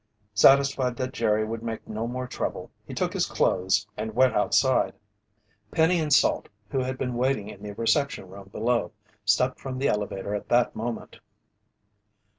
Satisfied that Jerry would make no more trouble, he took his clothes and went outside. Penny and Salt, who had been waiting in the reception room below, stepped from the elevator at that moment.